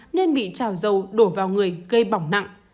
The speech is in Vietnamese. nên bị trào dầu đổ vào người gây bỏng nặng